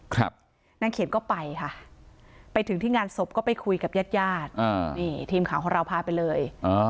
นางเขียนก็ไปค่ะไปถึงที่งานศพก็ไปคุยกับญาติญาติอ่านี่ทีมข่าวของเราพาไปเลย